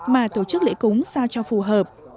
mà tổ chức lễ cúng sao cho phù hợp